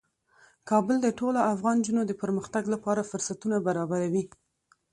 کابل د ټولو افغان نجونو د پرمختګ لپاره فرصتونه برابروي.